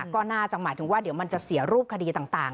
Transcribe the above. ก็น่าจะหมายถึงว่าเดี๋ยวมันจะเสียรูปคดีต่าง